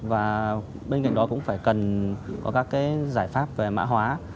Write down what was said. và bên cạnh đó cũng phải cần có các cái giải pháp về mã hóa